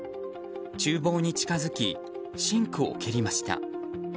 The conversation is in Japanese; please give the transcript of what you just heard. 厨房に近づきシンクを蹴りました。